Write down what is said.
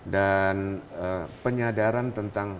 dan penyadaran tentang